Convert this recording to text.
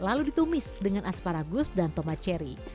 lalu ditumis dengan asparagus dan tomat cherry